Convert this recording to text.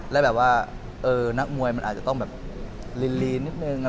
และแบบว่านักมวยมันอาจจะต้องแบบลีนนิดนึงอะไรอย่างนี้